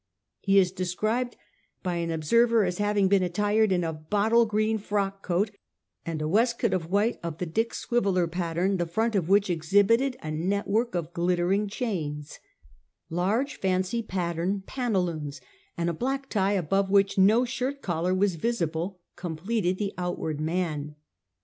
He is described by an observer as having been attired ' in a bottle green frock coat and a waistcoat of white, of the Dick Swiveller pattern, the front of which ex hibited a network of glittering chains ; large fancy pattern pantaloons, and a black tie, above which no shirt collar was visible, completed the outward man.